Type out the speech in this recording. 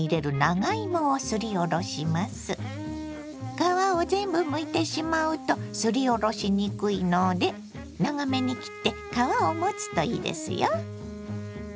皮を全部むいてしまうとすりおろしにくいので長めに切って皮を持つといいですよ。